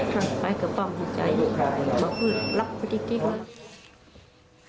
ก็ให้เขาปั๊มหัวใจอยู่มันคือลับไปที่ที่นี่